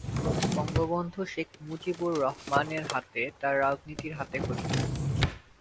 বঙ্গবন্ধু শেখ মুজিবুর রহমানের হাতে তার রাজনীতির হাতেখড়ি।